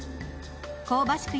香ばしく